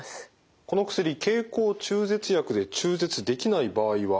この薬経口中絶薬で中絶できない場合はあるんですか？